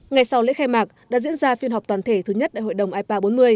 ngày sau lễ khai mạc đã diễn ra phiên họp toàn thể thứ nhất đại hội đồng ipa bốn mươi